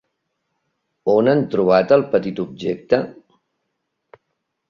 On han trobat el petit objecte?